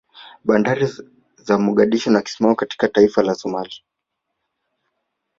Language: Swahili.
Bandari za Mogadishu na Kismayu katika taifa la Somalia